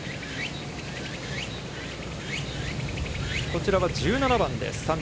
こちらは１７番です。